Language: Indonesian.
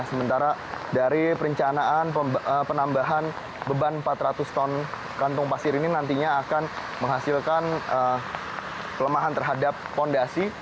sementara dari perencanaan penambahan beban empat ratus ton kantung pasir ini nantinya akan menghasilkan pelemahan terhadap fondasi